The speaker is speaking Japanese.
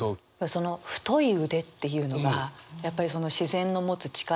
その「太い腕」っていうのがやっぱり自然の持つ力強さ